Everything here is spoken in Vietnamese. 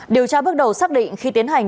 điều tra bắt đầu xác định khi tiến hành